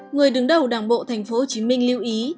người đứng đầu đảng bộ thành phố hồ chí minh lưu ý